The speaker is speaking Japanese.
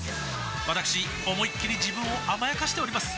わたくし思いっきり自分を甘やかしております